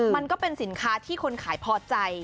มันก็เป็นสินค้าที่คนขายพอใจ